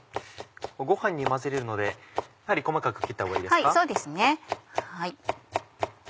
ご飯に混ぜるのでやはり細かく切ったほうがいいですか？